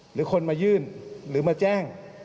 หรือคนมายื่นหรือมาแจ้ง